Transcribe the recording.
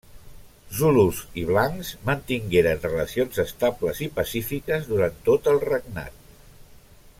Zulus i blancs mantingueren relacions estables i pacífiques durant tot el regnat.